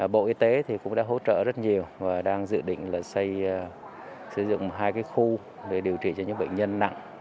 bộ y tế cũng đã hỗ trợ rất nhiều và đang dự định là xây sử dụng hai khu để điều trị cho những bệnh nhân nặng